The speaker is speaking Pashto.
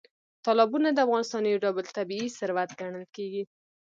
تالابونه د افغانستان یو ډول طبیعي ثروت ګڼل کېږي.